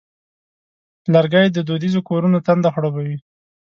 لرګی د دودیزو کورونو تنده خړوبوي.